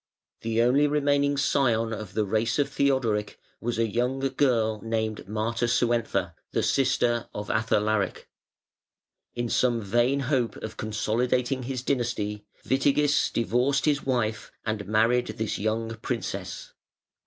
The only remaining scion of the race of Theodoric was a young girl named Matasuentha, the sister of Athalaric. In some vain hope of consolidating his dynasty, Witigis divorced his wife and married this young princess.